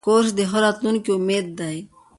کورس د ښه راتلونکي امید دی.